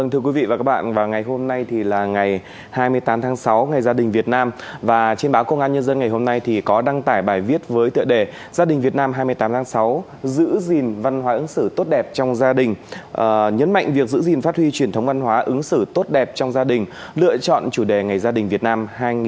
ngày hai mươi tám tháng sáu ngày gia đình việt nam trên báo công an nhân dân ngày hôm nay có đăng tải bài viết với tựa đề gia đình việt nam hai mươi tám tháng sáu giữ gìn văn hóa ứng xử tốt đẹp trong gia đình nhấn mạnh việc giữ gìn phát huy truyền thống văn hóa ứng xử tốt đẹp trong gia đình lựa chọn chủ đề ngày gia đình việt nam hai nghìn hai mươi